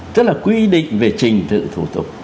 tức là quy định về trình tự thủ tục